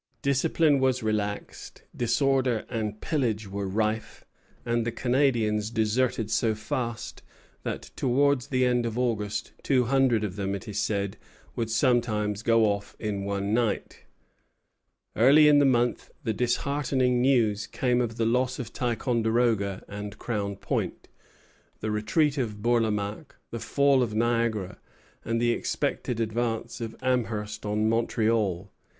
Discipline was relaxed, disorder and pillage were rife, and the Canadians deserted so fast, that towards the end of August two hundred of them, it is said, would sometimes go off in one night. Early in the month the disheartening news came of the loss of Ticonderoga and Crown Point, the retreat of Bourlamaque, the fall of Niagara, and the expected advance of Amherst on Montreal.